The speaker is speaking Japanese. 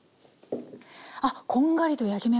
あっこんがりと焼き目が。